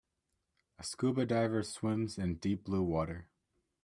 A S.C.U.B.A. diver swims in deep blue water.